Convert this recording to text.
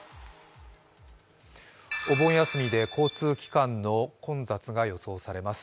お盆休みで交通機関の混雑が予想されます。